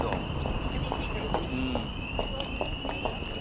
めっちゃ腰痛いです。